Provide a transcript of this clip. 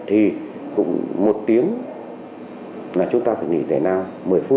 thì cũng một tiếng là chúng ta phải nghĩ tài năng